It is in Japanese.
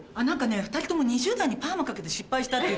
２人とも２０代にパーマかけて失敗したって。